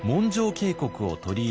経国を取り入れ